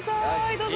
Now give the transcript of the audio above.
どうぞ。